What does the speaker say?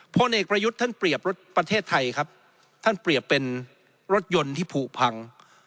พลเอกประยุทธ์ท่านเปรียบรถประเทศไทยครับท่านเปรียบเป็นรถยนต์ที่ผูกพัง